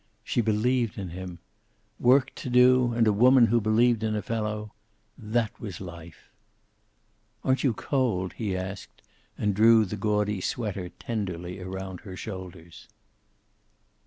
She believed in him. Work to do and a woman who believed in a fellow that was life. "Aren't you cold?" he asked, and drew the gaudy sweater tenderly around her shoulders.